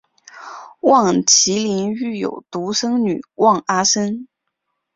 望麒麟育有独生女望阿参。